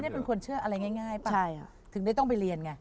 เป็นคนเชื่ออะไรง่ายป่ะถึงได้ต้องไปเรียนไง